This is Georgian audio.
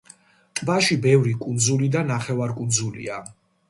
ტბაში ბევრი კუნძული და ნახევარკუნძულია.